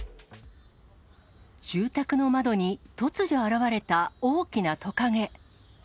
住宅の窓に、突如、現れた大きなトカゲ。